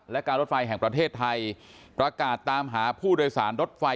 และการรถไฟแห่งประเทศไทยประกาศตามหาผู้โดยสารรถไฟ